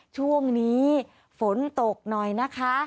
ช่วงนี้ฝนตกหน่อยนะคะ